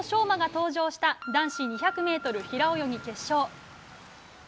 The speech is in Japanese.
馬が登場した男子２００ｍ平泳ぎ決勝。